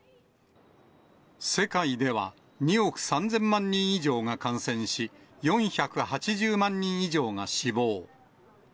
世界では２億３０００万人以上が感染し、４８０万人以上が死亡。